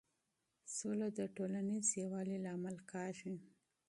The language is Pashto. سوله د ټولنیز یووالي لامل کېږي.